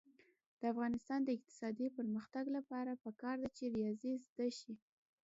د افغانستان د اقتصادي پرمختګ لپاره پکار ده چې ریاضي زده شي.